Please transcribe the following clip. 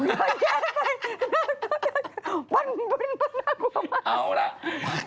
อันมันน่ากลัวมาก